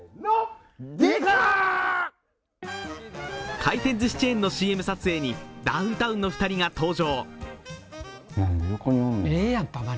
回転ずしチェーンのＣＭ撮影にダウンタウンの２人が登場。